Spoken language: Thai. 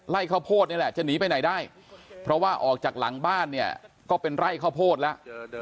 ข้าวโพดนี่แหละจะหนีไปไหนได้เพราะว่าออกจากหลังบ้านเนี่ยก็เป็นไร่ข้าวโพดแล้ว